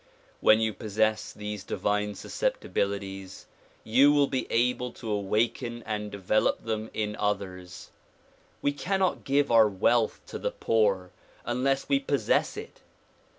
When you possess these divine susceptibilities you will be able to awaken and develop them in others. W^e cannot give of our wealth to the poor unless we possess it.